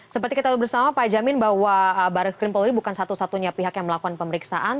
seperti kita bersama pak jamin bahwa baris krim polri bukan satu satunya pihak yang melakukan pemeriksaan